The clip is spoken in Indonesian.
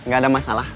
gak ada masalah